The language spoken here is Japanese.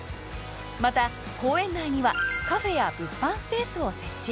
また公園内にはカフェや物販スペースを設置。